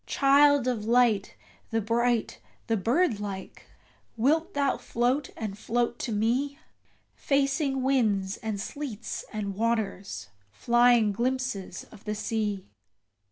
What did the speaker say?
Child of Light, the bright, the bird like! wilt thou float and float to me Facing winds and sleets and waters, flying glimpses of the sea?